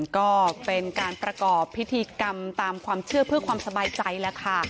ก็เป็นการประกอบพิธีกรรมตามความเชื่อเพื่อความสบายใจแล้วค่ะ